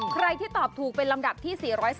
ใครที่ตอบถูกเป็นลำดับที่๔๒